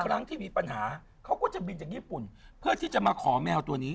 ครั้งที่มีปัญหาเขาก็จะบินจากญี่ปุ่นเพื่อที่จะมาขอแมวตัวนี้